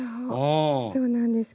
そうなんですけど。